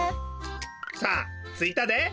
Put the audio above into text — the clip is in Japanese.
さあついたで。